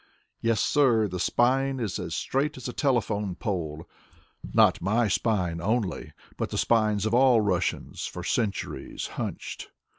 Yes, sir, the spine Is as straight as a telephone pole, Not my spine only, but the spines of all Russians, For centuries hunched.